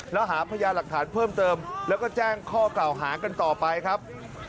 แล้วหาพยาหลักฐานเพิ่มเติมแล้วก็แจ้งข้อกล่าวหากันต่อไปครับ